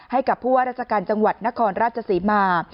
ให้กับผู้ว่าราชการจังหวัดนครราชศรีมา